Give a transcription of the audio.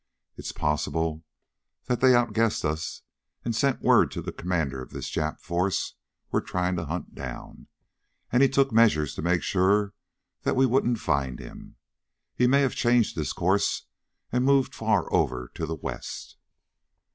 It's possible that they outguessed us and sent word to the commander of this Jap force we're trying to hunt down. And he took measures to make sure that we wouldn't find him. He may have changed his course and moved far over to the west."